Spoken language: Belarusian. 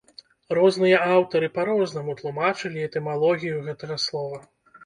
Розныя аўтары па рознаму тлумачылі этымалогію гэтага слова.